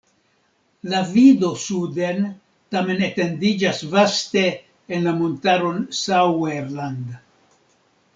La vido suden tamen etendiĝas vaste en la montaron Sauerland.